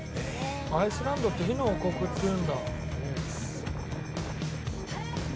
アイスランドって火の王国っていうんだ。